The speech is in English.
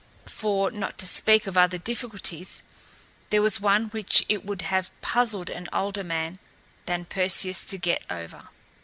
For, not to speak of other difficulties, there was one which it would have puzzled an older man than Perseus to get over.